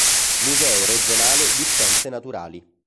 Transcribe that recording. Museo regionale di scienze naturali